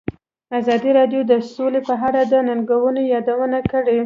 ازادي راډیو د سوله په اړه د ننګونو یادونه کړې.